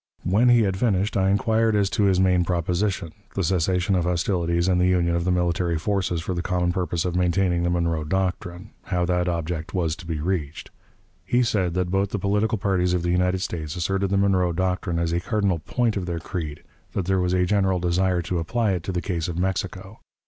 When he had finished, I inquired as to his main proposition, the cessation of hostilities and the union of the military forces for the common purpose of maintaining the 'Monroe doctrine' how that object was to be reached. He said that both the political parties of the United States asserted the Monroe doctrine as a cardinal point of their creed; that there was a general desire to apply it to the case of Mexico.